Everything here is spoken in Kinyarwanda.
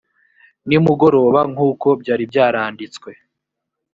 nimugoroba nk’ uko byari byaranditswe